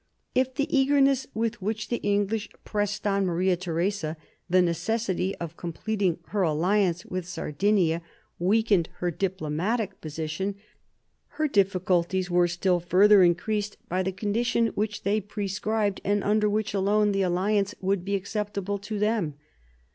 If the eagerness with which the English pressed on Maria Theresa the necessity of completing her alliance with Sardinia weakened her diplomatic position, her 1743 45 WAR OF SUCCESSION 29 difficulties were still further increased by the condition which they prescribed, and under which alone the alli ance would be acceptable to them.